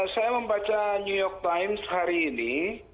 saya membaca new york times hari ini